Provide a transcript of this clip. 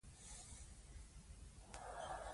د ګور کلمه د کبر مانا نه ده.